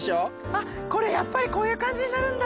あっこれやっぱりこういう感じになるんだ。